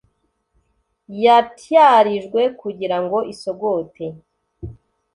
yatyarijwe kugira ngo isogote.